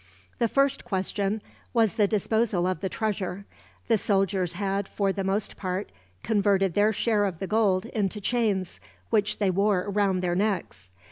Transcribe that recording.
The first question was the disposal of the treasure. The soldiers had, for the most part, converted their share of the gold into chains; which they wore round their necks.